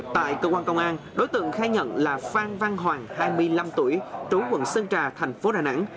tại cơ quan công an đối tượng khai nhận là phan văn hoàng hai mươi năm tuổi trú quận sơn trà thành phố đà nẵng